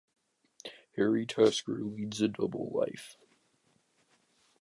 Harry Tasker leads a double life.